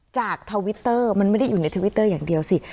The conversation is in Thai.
ทวิตเตอร์มันไม่ได้อยู่ในทวิตเตอร์อย่างเดียวสิ